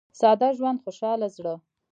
• ساده ژوند، خوشاله زړه.